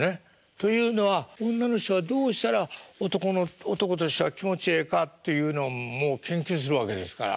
というのは女の人はどうしたら男としては気持ちええかっていうのんも研究するわけですから。